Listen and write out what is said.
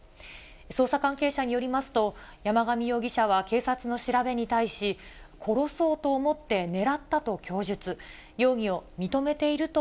捜査関係者によりますと、山上容疑者は警察の調べに対し、殺そうと思って狙ったと供述。